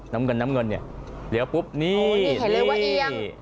น้ำเงินน้ำเงินเนี่ยเลี้ยวปุ๊บนี่เห็นเลยว่าเอียงนี่